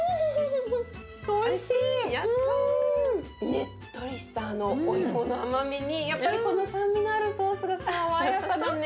ねっとりしたお芋の甘みにやっぱりこの酸味のあるソースが爽やかだね。